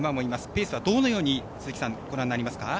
ペースは、どのように鈴木さんご覧になりますか。